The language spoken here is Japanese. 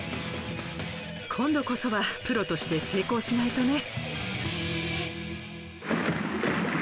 今度こそはプロとして成功しないとね。